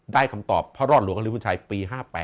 ได้คำตอบพระรอดหลวงฮลีฟุ้นชายปี๕๘